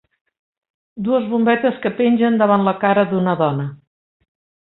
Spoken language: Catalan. Dues bombetes que pengen davant la cara d'una dona.